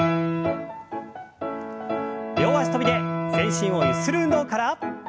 両脚跳びで全身をゆする運動から。